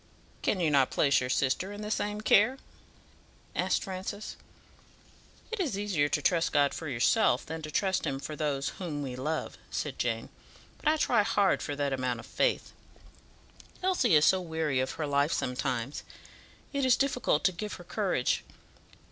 "Can you not place your sister in the same care?" asked Francis. "It is easier to trust God for yourself than to trust Him for those whom we love," said Jane; "but I try hard for that amount of faith. Elsie is so weary of her life sometimes, it is difficult to give her courage.